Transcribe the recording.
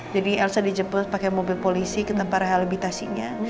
jadi elsa dijemput pakai mobil polisi ketempatan halibutasinya